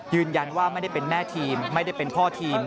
ยืนยันว่าไม่ได้เป็นแม่ทีมไม่ได้เป็นพ่อทีม